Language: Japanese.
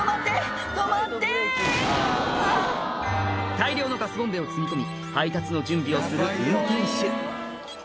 大量のガスボンベを積み込み配達の準備をする運転手